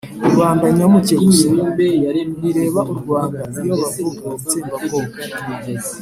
rubanda nyamuke gusa! ku bireba u rwanda, iyo bavuga itsembabwoko,